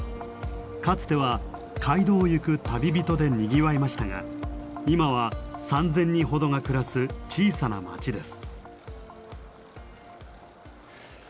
かつては街道を行く旅人でにぎわいましたが今は３，０００人ほどが暮らす小さな町です。